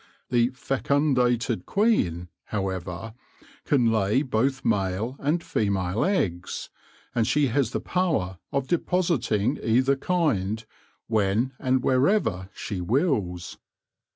The fecundated queen, however, can lay both male and female eggs, and she has the power of depositing either kind when and wherever she wills.